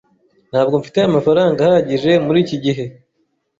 Ntabwo mfite amafaranga ahagije muri iki gihe.